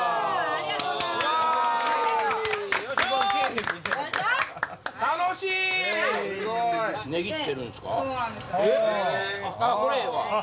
あっこれええわ！